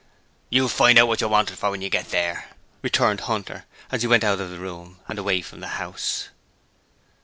'You'll find out what you're wanted for when you get there,' returned Hunter as he went out of the room and away from the house.